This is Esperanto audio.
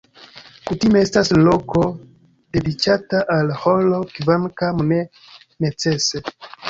Kutime estas loko dediĉata al ĥoro, kvankam ne necese.